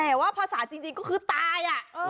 แต่ว่าภาษาจริงก็คือตาย